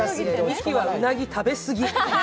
ミキはうなぎ食べすぎ。